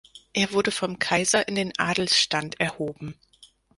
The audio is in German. Er wurde vom Kaiser in den Adelsstand erhoben.